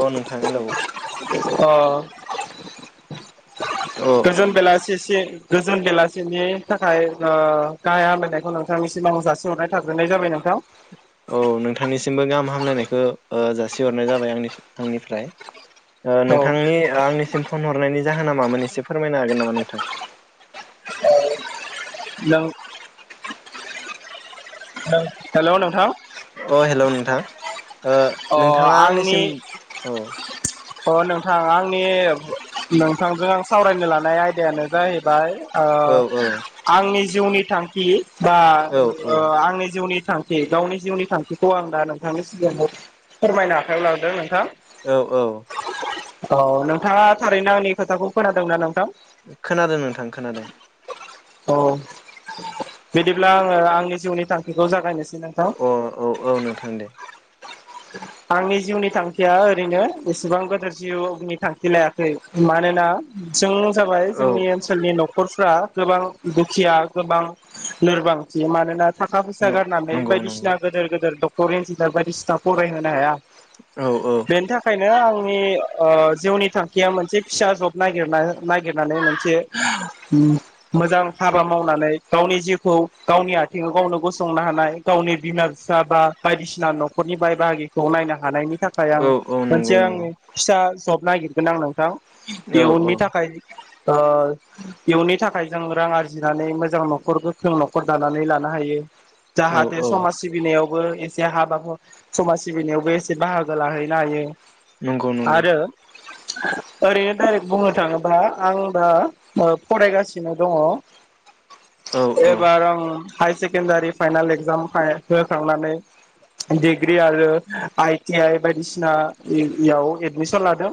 अ नोंथां हेलौ अ अ गोजोन बेलासि [unintelligible] गोजोन बेलासिनि थाखाय ओ‌ गाहाय हामलायनायखौ नोंथांनिसिम‌ जासिहरनाय थाग्रोनाय जाबाय नोंथां औ नोंथांनिसिमबो गाहाम हामलायनायखौ ओ जासिहरनाय जाबाय आंनि-आंनिफ्राय ओ औ नोंथांनि आंनिसिम फन हरनायनि जाहोना मामोन एसे फोरमायनो हागोन नामा नोंथां? [unintelligible] हेलौ नोंथां अ हेलौ नोंथां ओ अ नोंथाङा आंनि आंनिसिम औ अ नोंथां आंनि नोंथांजों आं सावरायनो लानाय आयदायानो जाहैबाय ओ औ औ आंनि जिउनि थांखि बा औ ओ औ आंनि जिउनि थांखि गावनि जिउनि थांखिखौ आं दा नोंथांनि सिगाङाव फोरमायनो आखायाव लाबोदों नोंथां। औ औ औ नोंथाङा थारैनो आंनि खोथाखौ खोनादोंना नोंथां? खोनादों नोंथां खोनादों। औ बिदिब्ला आङो आंनि जिउनि थांखिखौ जागायनोसै नोंथां अ औ औ नोंथां दे आंनि जिउनि थांखिया ओरैनो एसेबां गोदोर जिउनि थांखि लायाखै। मानोना जों जाबाय औ जोंनि ओनसोलनि नख'रफ्रा गोबां खिया गोबां लोरबां बियो मानोना थाखा फैसा गारनानै नंगौ नंगौ बायदिसिना गोदोर गोदोर दक टर इन्जिनार बायदिसिना फरायहोनो हाया। औ औ बेनि थाखायनो आंनि ओ जिउनि थांखिया मोनसे फिसा जब नागिरना नागिरनानै मोनसे मोजां हाबा मावनानै गावनि जिउखौ गावनि आथिङाव गावनो गसंनो हानाय गावनि बिमा फिसा बा बायदिसिना नख'रनि बाय बाहागि खौ नायना हानायनि थाखाय आं औ औ मोनसे नंगौ आं नंगौ फिसा जब नागिरगोन आं नों थां औ इयुननि औ थाखाय ओ इयुनि थाखाय जों रां आरजिनानै मोजां नख'र गोख्रों नख'र दानानै लानो हायो। जाहाथे औ औ समाज सिबिनायाव बो एसे हा बाब सम ज सिबिनायावबो एसे बाहागो लाहैनो हायो। नंगौ नंगौ आरो ओरैनो डाइरेक्ट बुंनो थाङोबा आं दा ओ फरायगासिनो औ दङ औ एबार आं हाइसे केनडारि फाइनाल एग्जाम [unintelligible] होखांनानै दिेग्रि आरो आइटि आइ बायदिसिना इ याव एडमिसन लादों।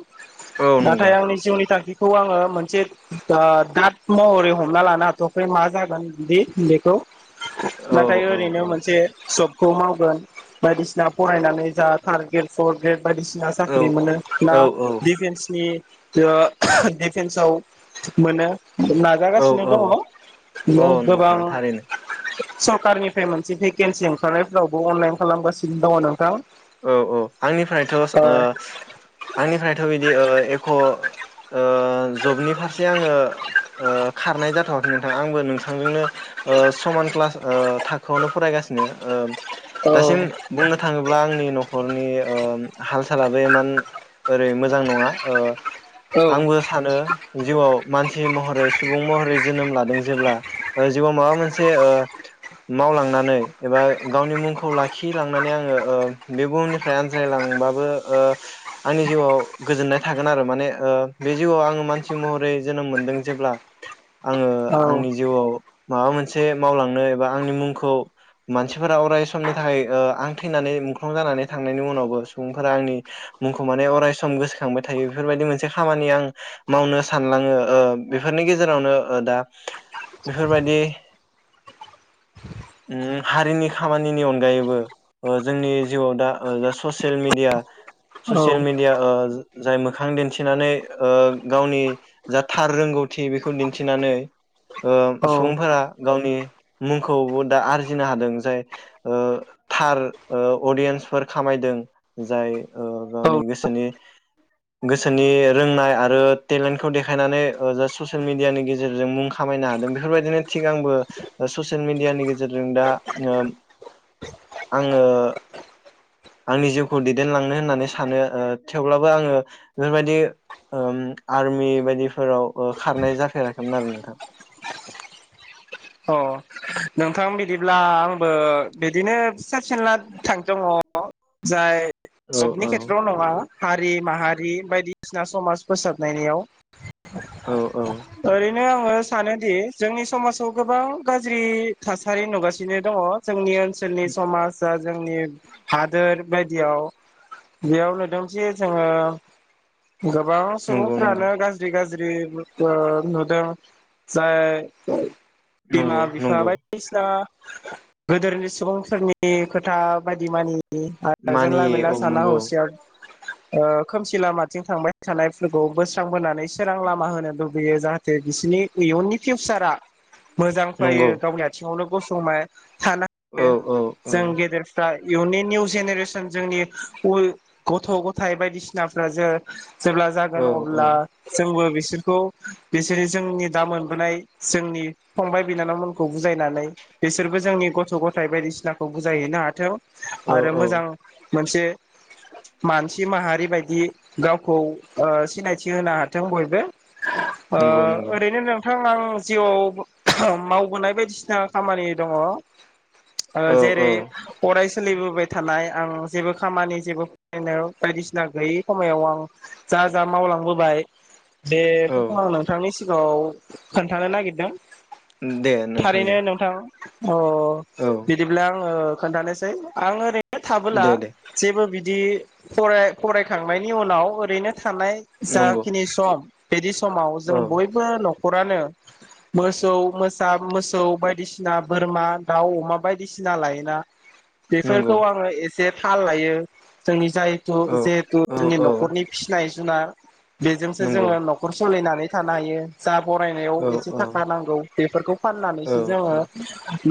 औ नंगौ नाथाय आंनि जिउनि थांखि खौ आङो मोनसे ओ दाद महरै हमना लानो हाथयाखै मा जागोनदि बि बेखौ औ नाथाय औ ओरैनो औ मोनसे सब खौ मावगोन बायदिसिना फरायनानै जा थार्द ग्रेद पर ग्रेद बायदिसिना औ साख्रि मोनो ना औ डिफेन्सनि [unintelligible] दिडिफेन्सआव मोनो औ नाजागासिनो औ औ दङ गोबां नोंथां थारैनो सरकखारनिफ्राय मोनसे भेकेन्सि ओंखारनाय फोरावबो अनलाइन खालामगासिनो दङ नोंथां। औ औ आंनिफ्रायथ ओ आंनिफ्रायथ बिदि ओ एख ओ जबनि फारसे आङो ओ खारनाय जाथवाखै नोंथां आंबो नोंथांजोंनो ओ समान क्लास ओ थाखोआवनो फरायगासिनो ओ औ दासिम बुंनो थाङोब्ला आं नखरनि ओ हाल सालाबो इमान ओरै मोजां नङा ओ औ आंबो सानो जिउआव मानसि महरै सुबुं महरै जोनोम लादों जेब्ला ओ जिउआव माबा मोनसे ओ मावलांनानै एबा गावनि मुंखौ लाखि लांनानै आङो ओ बे बुहुमनिफ्राय आनज्रायलांबाबो ओ आंनि जिउआव गोजोननाय थागोन आरो माने ओ बे जिउआव आङो मानसि महरै जोनोम मोनदों जेब्ला आङो औ आंनि जिउआव माबा मोनसे मावलांनो एबा आंनि मुंखौ मानसिफोरा अराय समनि थाखाय ओ आं थैनानै मुं ख्लं जानानै थांनायनि उनावबो सुबुंफोरा आंनि मुंखौ माने अरायस गोसोखांबाय थायो। बेफोरबायदि मोनसे खामानि आं मावनो सानलाङो ओ बेफोरनि गेजेरावनो दा बेफोरबायदि ओम हारिनि खामानिनि अनगायैबो औ जोंनि जिउआव दा ओ दा ससेल मिडिया औ ससियेल मिडिया ओ जाय मोखां दिन्थिनानै ओ गावनि जा थार रोंगौथि बेखौ दिन्थिनानै ओ औ सुबुंफोरा गावनि मुंखौबो दा आरजिनो हादों जाय ओ थार ओ अदियेन्सफोर खामायदों, जाय गावनि गोसोनि गोसोनि रोंनाय आरो टेलेन्टखौ देखायनानै ओ जा ससियेल मिडियानि गेजेरजों मुं खामायनो हादों बेफोरबायदिनो थिग आंबो ससियेल मिडियानि गेजेरजों दा ओ आङो आंनि जिउखौ दैदेनलांनो होननानै सानो ओ थेवब्लाबो आङो बेफोरबायदि ओम आर्मि बायदिफोराव ओ खारनाय जाफेराखैमोन आरो नोंथां। औ अ नोंथां बिदिब्ला आंबो बिदिनो फिसा फिनला [inaudible] दङ जाय औ सबनि औ खेथ्रआव नङा हारि माहारि बायदिसिना समाज फोसाबनायनियाव। औ औ ओरैनो आङो सानोदि जोंनि समाजाव गोबां गाज्रि थासारि नुगासिनो दङ जोंनि ओन सोलनि समास जा जोंनि हादोर बायदियाव बेयाव नुदोंथि जोङो गोबां नंगौ नंगौ सुबुंफ्रानो गाज्रि गाज्रि दि बुस्थु नुदों जाय नंगौ नं फा बायदिसिना गोदोरनि सुबुंफोरनि खोथा बायदि मानि यि आरो जानला मोनला मानियो औ साना नंगौ हसिया ओ खोमसि लामाथिं थांबाय थानायफोरखौ बोस्रांबोनानै सोरां लामा होनो लु बैयो जाहाथे बिसोरनि इयुननि फिउचारा मोजां फायो नंगौ थिङावनो गसंनाय औ [unintelligible] औ औ जों गेदेरफ्रा इयुननि निउ जेनेरेसन जोंनि उइ गथ गथायाइ बायदिसिनाफ्रा जो जेब्ला औ जागोन अब्ला जोंबो बि बिसोरखौ बिसोरनि जोंनि दा मोनबोनाय जोंनि फंबाय बिनानावमोन खौ बुजायनानै बिसोरबो जोंनि गथ गथाय बायदिसिनाखौ बुजायहैनो हाथों। औ आरो औ मोजां मोनसे मानसि माहारि बायदि गावखौ ओ सिनायथि होनो हाथों बयबो ओ नंगौ नंगौ ओरैनो नों थां आं जिउआव [unintelligible] मावबोनाय बायदिसिना खामानि दङ ओ औ औ जेरै अरायस सोलिबोबाय थानाय आं जेबो खामानि जेबो फरायनो बायदिसिना गैयै समायाव आं जा जा मावलांबोबाय औ बेफोरखौ आं नोंथांनि सि [unintelligible] खोन्थानो नागिरदों उम दे नोंथां दे थारैनो नोंथां [inaudible] अ औ बिदिब्ला आङो खोन्थानोसै आं ओरै थाबोला दे दे जेबो बिद दि फराय फरायखांनायनि उनाव ओरैनो थानाय नंगौ जाखिनि सम बेदिस समाव जों औ बयबो नख हरानो मोसौ मोसा मोस सौ बायदिसिना बोरमा दाउ अमा बायदिसिना लायोना। नंगौ बेफोरखौ आङो एस से थाल लायो जोंनि जाय थु औ जिहेथु औ जोंनि औ नखरनि फिनायस जुनार बेजोंसो नंगौ जोङो नखर सलिनानै थानो हायो। जा औ बरायनायाव एसे औ थाखा नांगौ। बेफोरखौ फानना औ जोङो औ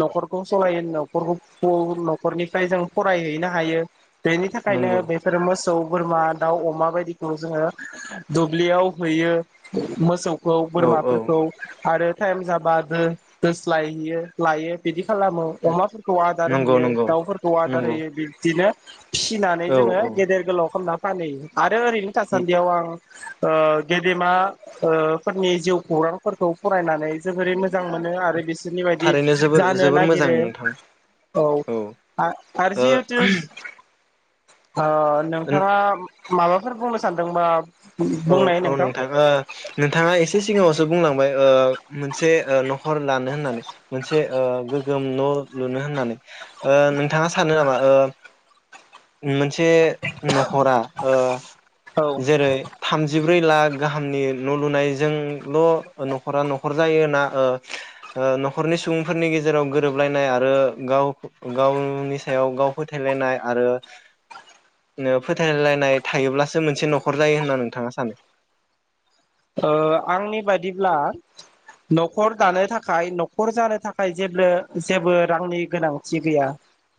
नखरखौ सलायो नखरखौ फुं नखरनिफ्राय जों फरायहैनो हायो। बेनि थाखायनो नंगौ बेफोर मोस सौ बोरमा दाउ अमा बायदिखौ जोङो दुब्लियाव हैयो मोसौ खौ औ औ बोरमाफोरखौ आरो थाएम जाबाय दो दोस्लाय हैयो लायो बिदि खालामो अमाफोरखौ आदार नंगौ होयो नंगौ दाउफोरखौ आदार नंगौ होयो बिब्दिनो फिनानै औ जोङो औ गेदेर गोलाव खालामना फोनहैयो [inaudible] ओरैनो थासानदियाव आं ओ गेदेमा ओ फोरनि जिउ खौरांफोरखौ फरायनानै जोबोरै मोजां मोनो आरो बिसोरनि बायदि थारैनो जोबोर जानो जोबोर मोजां नागिरो नोंथां औ औ आ-आरो ओ औ जिहेतु ओ नोंथाङा माबाफोर बुंनो सानदोंबा औ बुंनाय औ नोंथां नोंथा ओ नोंथाङा एसे सिगाङावसो बुंलां बाय ओ मोनसे ओ नखर लानो होननानै मोनसे ओ गोग्गोम न' लुनो होननानै ओ नोंथाङा सानो ओ नामा ओ मो से नखरा ओ औ जेरै थामजिब्रै लाख गाहामनि न' लुनायजोंल' नखरा नखर जायो ना ओ ओ नखरनि सुबुंफोरनि गेजेराव गोरोबलायनाय आरो गाव गावनि सायाव गाव फोथायलायनाय आरो फोथायलायनाय थायोब्लासो मोनसे नखर जायो होनना थाङा सानो? ओ आंनि बादिब्ला नखर दानो थाखाय नखर जानो थाखाय जेबो जेबो रांनि गोनांथि गैया।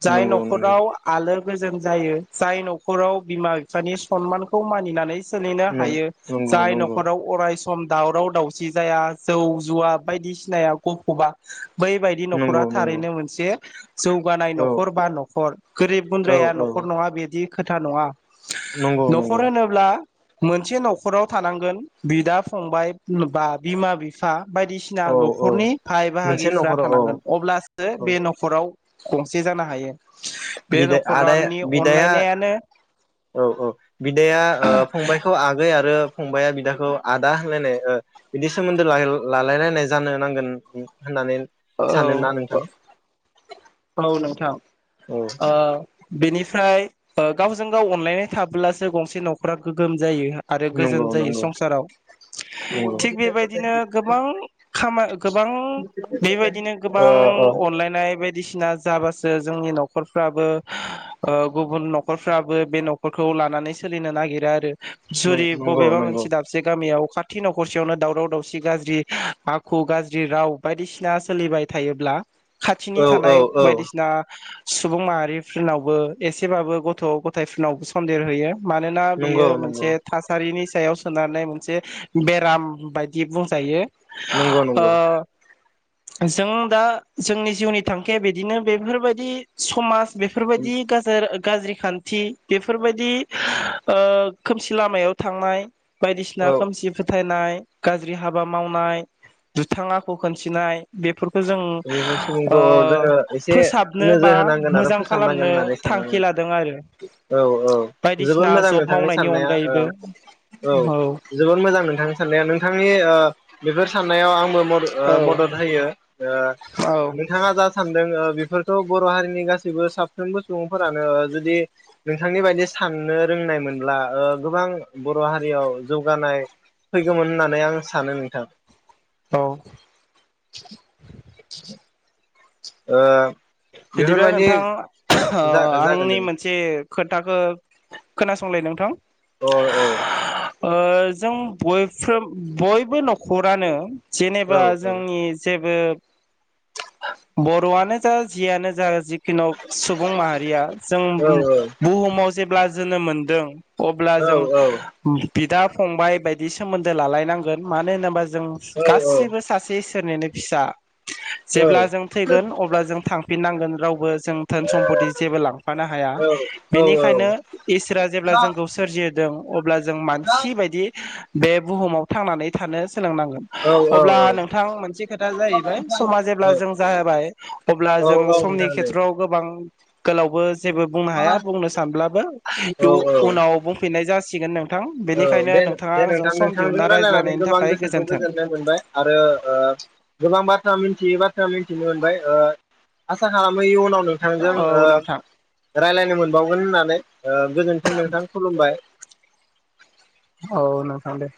जाय नंगौ नंगौ नखराव आलो गोजोन जायो। जाय नखराव बिमा बिफानि सनमानखौ मानिनानै सोलिनो नं हायो नंगौ जाय नखर नंगौ फोराव अराय सम दावराव दावसि जाया जौ जुवा बायदिसिनाया गफबा बै बादि नंगौ नखरा नंगौ थारैनो मोनसे जौगानाय औ नखर बा नखर गोरिब औ गुन्द्राया औ नखर नंङा बिदि खोथा नंङा नंगौ नंगौ नखर होनोब्ला मोनसे नखराव थानांगोन बिदा, फंबाय बा बिमा, बिफा बायदिसिना औ औ नखरनि बाहाय मोनसे बाहागिफ्रा न'खराव औ थानांगोन अब्लासो बे नखराव गंसे जानो हायो। बे बिद आदाया न'खरनि बिदाया अनलायनायानो औ औ बिदाया ओ फंबायखौ आगै आरो फंबाया बिदाखौ आदा होलायनाय ओ बिदि सोमोन्दो लालाय लायनाय जानो नांगोन होननानै औ सानोना नोंथां औ नोंथां। औ ओ बेनिफ्राय ओ गावजों गाव अनलायनाय थाब्लासो गंसे नखरा गोगोम जायो आरो नंगौ गोजोन जायो नंगौ संसाराव, नंगौ थिग बेबायदिनो गोबां खामा गोबां बेबायदिनो ओ गोबां ओ अनलायनाय बायदिसिना जाबासो जोंनि नखरफ्राबो ओ गुबुन नखरफ्राबो बे नखरखौ लानानै सोलिनो नागिरो आरो। जुरि नंगौ बबेबा नंगौ मोनसे दाबसे गामियाव खाथि नखरसेयावनो दावराव दावसि गाज्रि आखु गाज्रि राव बायदिसि ना सोलिबाय थायोब्ला खाथिनि औ औ थानाय औ बायदिसिना सुबुं माहारिफोरनावबो एसेबाबो गथ गथायफोरनावबो सन्देर होयो। मानोना नंगौ बेयो नंगौ मोनसे थासारिनि सायाव सोनानै मोनसे बेराम बायदि बुंजायो। नंगौ ओ नंगौ। जों दा जोंनि जिउनि थांखिया बिदिनो बेफोरबायदि समाज बेफोरबायदि गाजोर गाज्रि खान्थि बेफोरबायदि ओ खोमसि लामायाव थांनाय बायदिसिना खोमसि फोथायनाय गाज्रि हाबा मावनाय दुथां आखु खोनथिनाय बेफोर सुबुंखौ औ जोङो एसे फोसाबनो बा नोजोर होनांगोन आरो मोजां फोसाबनांगोन खालामनो होननानै सानो थांखि लादों आरो औ औ जोबोद बायदिसिना मोजां जब नोंथांनि मावनायनि साननाया अनगायैबो औ जोबोद मोजां नोंथांनि साननाया नोंथां आंनि बेफोर साननायाव आं मदद होयो ओ औ नोंथाङा जा सानदों ङो बेफोरखौ बर' हारिनि गासैबो साफ्रोमबो सुबुंफोरानो जुदि नोंथांनि बायदि साननो रोंनाय मोनब्ला गोबां बर' हारियाव जौगानाय फैगौमोन होननानै आं सानो नोंथां औ ओ बिदिब्ला बेफोरबायदि नोंथां जा जागोन आंनि दे मोनसे खोथाखौ खोनासंलाय नोंथां अ औ औ ओ जों बयफ्र बयबो नखरानो औ जेनेबा जोंनि जे बर' आनो जा जियानो जा जि ख सुबुं माहारिया जों औ औ बुहुमाव जे ब्ला जोनोम मोन्दों अब्ला औ जों बिदा फंबाय बायदि सोमोन्दो लालायनांगोन मानो होनोबा जों औ गासैबो सासे इसोरनिनो फिसा औ जेब्ला जों थैगोन अब्ला जों थां नांगोन रावबो जों धोन सम्फति जेबो लांफानो हाया औ औ बेनिखायनो इसोरा जेब्ला जोंखौ सोरजिदों अब्ला जों मानसि बायदि बे बुहुमाव थांनानै थानो सोलोंनांगोन अब्ला नोंथां मोनसे खोथा जाहैबाय समा जेब्ला जों जाबाय अब्ला औ जों समनि नोंथां दे खेथ्रआव गोबां गोलावबो जेबो बुंनो हाया बुंनो सानब्लाबो औ औ उ-उनाव बुंफिननाय जा सिगोन नों औ दे दे नोंथां नोंथांजों दिहुनना रायलायनानै रायज्लायनायनि गोबां थाखाय गोसोखौ गोजोन्थों गोजोननाय मोनबाय आरो ओ गोबां बा थ्रा मिनथियै बाथ्रा मोनथिनो मोनबाय ओ आसा खालामो इउनाव नोंथांजों औ ओ नोंथां रायलायनो मोन बावगोन होननानै। ओ गोजोन्थों नोंथां खुलुमबाय। औ नोंथां दे।